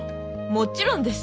もちろんです。